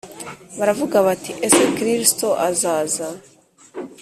baravuga bati ese Kristo azaza